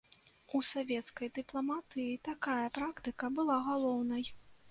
У савецкай дыпламатыі такая практыка была галоўнай.